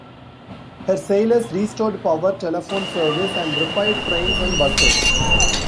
Her sailors restored power, telephone service and repaired trains and buses.